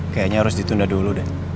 kayaknya harus ditunda dulu deh